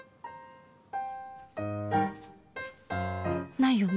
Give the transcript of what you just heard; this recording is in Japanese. ないよね？